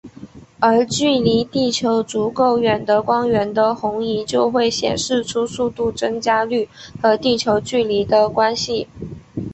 而距离地球足够远的光源的红移就会显示出速度增加率和地球距离的关系。